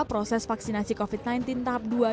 proses vaksinasi covid sembilan belas tahap dua